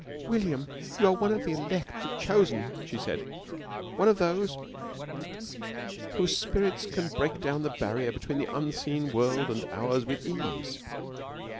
"William ... you are one of the elect, the chosen," she said, "one of those whose spirits can break down the barrier between the unseen world and ours with ease."